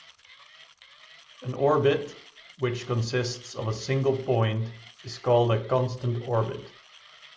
An orbit which consists of a single point is called constant orbit.